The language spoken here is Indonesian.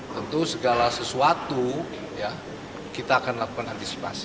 tentu segala sesuatu kita akan lakukan antisipasi